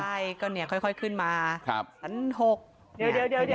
ใช่ก็เนี่ยค่อยขึ้นมาชั้น๖เดี๋ยว